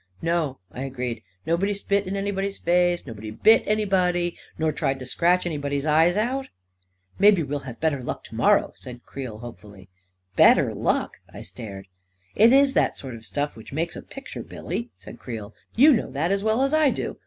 " No," I agreed; " nobody spit in anybody's face; nobody bit anybody, nor tried to scratch anybody's eyes out !"" Maybe we'll have better luck to morrow," said Creel hopefully. 41 Better luck? " I stared. " It is that sort of stuff which makes a picture, Billy," said Creel; " you know that as well as I do.